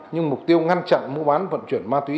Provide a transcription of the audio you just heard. nhưng mục tiêu ngăn chặn mua bán vận chuyển ma túy